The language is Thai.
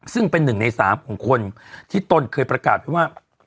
ซึ่งเป็นหนึ่งในสามของคนที่ตนเคยประกาศไปว่า